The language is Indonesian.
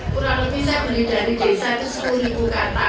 kurang lebih saya beli dari desa itu sepuluh ribu kata